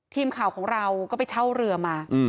ทีมข่าวของเราก็ไปเช่าเรือมา